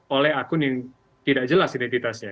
oleh akun yang tidak jelas identitasnya